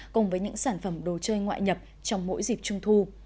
cùng với những sản phẩm đồ chơi ngoại nhập trong mỗi dịp trung thu